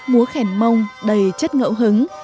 múa khen mông đầy chất ngậu hứng